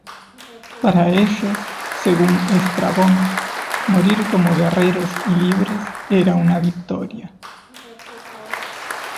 Para ellos, según Estrabón, morir como guerreros y libres era una victoria.